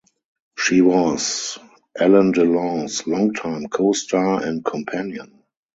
She was Alain Delon's longtime co-star and companion.